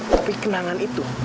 tapi kenangan itu